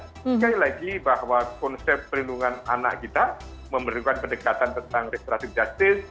sekali lagi bahwa konsep perlindungan anak kita memerlukan pendekatan tentang restoratif justice